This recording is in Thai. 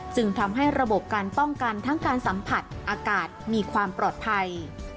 จึงทำให้ระบบการป้องกันทั้งการสัมผัสอากาศมีความปลอดภัย